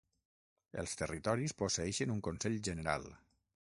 Els territoris posseeixen un consell general.